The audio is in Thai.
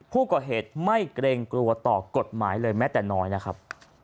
ผู้ก่อเหตุไม่เกรงกลัวต่อกฎหมายเลยแม้แต่น้อยนะครับ